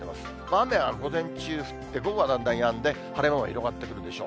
雨は午前中降って、午後はだんだんやんで、晴れ間も広がってくるでしょう。